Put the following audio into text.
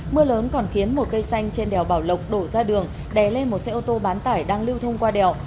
mưa lớn còn khiến một cây xanh trên đèo bảo lộc đổ ra đường đè lên một xe ô tô bán tải đang lưu thông qua đèo